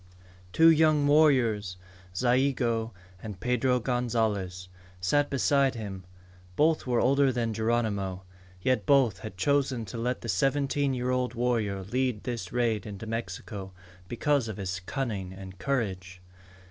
Two young warriors, Zayigo and Pedro Gonzalez, sat beside him. Both were older than Geronimo. Yet both had chosen to let the seventeen year old warrior lead this raid into Mexico because of his cunning and courage.